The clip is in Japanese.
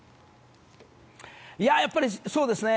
やっぱりそうですね。